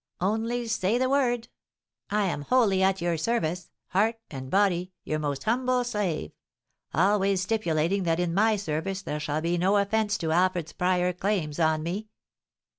Only say the word. I am wholly at your service, heart and body, your most humble slave; always stipulating that in my service there shall be no offence to Alfred's prior claims on me."